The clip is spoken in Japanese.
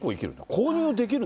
購入できる？